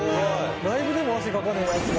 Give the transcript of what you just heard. ライブでも汗かかねえやつが。